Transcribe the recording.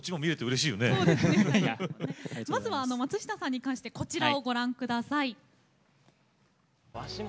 まずは松下さんに関してこちらをご覧下さい。